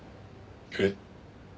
えっ？